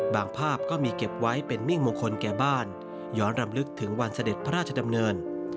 ภาพก็มีเก็บไว้เป็นมิ่งมงคลแก่บ้านย้อนรำลึกถึงวันเสด็จพระราชดำเนิน